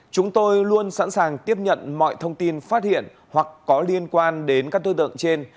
chúng tôi luôn sẵn sàng tiếp nhận mọi thông tin phát hiện hoặc có liên quan đến các đối tượng trên